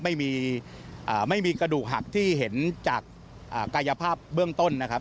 ไม่มีไม่มีกระดูกหักที่เห็นจากกายภาพเบื้องต้นนะครับ